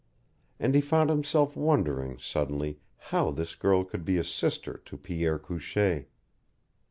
And he found himself wondering, suddenly, how this girl could be a sister to Pierre Couchee.